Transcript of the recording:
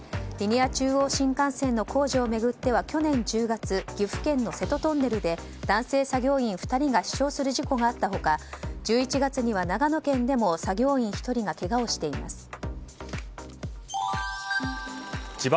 リニア中央新幹線の工事を巡っては去年１０月岐阜県の瀬戸トンネルで男性作業員２人が死傷する事故があった他１１月にも長野県で作業員１人がけがをしています。